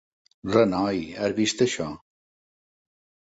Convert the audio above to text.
Renoi! Has vist això?